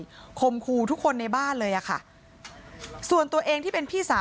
พี่น้องของผู้เสียหายแล้วเสร็จแล้วมีการของผู้เสียหาย